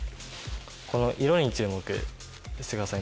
この色に注目してください